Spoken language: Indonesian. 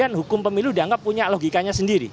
kan hukum pemilu dianggap punya logikanya sendiri